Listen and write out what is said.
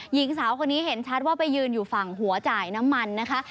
หญิงสาวคนนี้เห็นชัดว่าไปยืนอยู่ฝั่งหัวจ่ายน้ำมันนะคะ